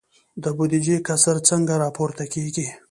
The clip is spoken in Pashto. د بودیجې کسر څنګه پوره کیږي؟